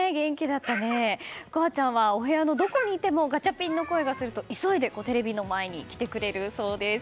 心彩ちゃんはお部屋のどこにいてもガチャピンの声がすると急いでテレビの前に来てくれるそうです。